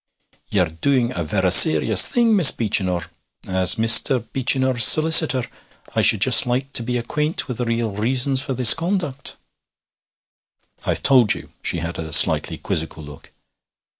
'Ye're doing a verra serious thing, Miss Beechinor. As Mr. Beechinor's solicitor, I should just like to be acquaint with the real reasons for this conduct.' 'I've told you.' She had a slightly quizzical look.